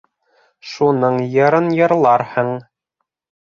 Шуның йырын йырларһың.